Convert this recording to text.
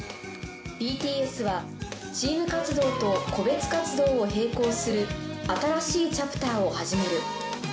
ＢＴＳはチーム活動と個別活動を並行する、新しいチャプターを始める。